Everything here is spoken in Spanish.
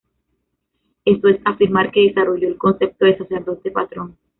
Eso es afirmar que desarrolló el concepto de sacerdote-patrón.